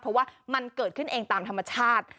เพราะว่ามันเกิดขึ้นเองตามธรรมชาติ